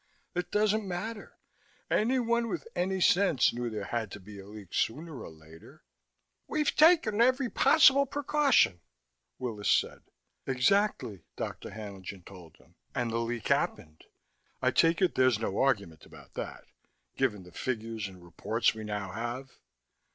That doesn't matter: anyone with any sense knew there had to be a leak sooner or later." "We've taken every possible precaution," Willis said. "Exactly," Dr. Haenlingen told him. "And the leak happened. I take it there's no argument about that given the figures and reports we now have?"